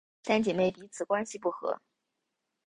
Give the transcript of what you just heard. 三姐妹彼此关系不和。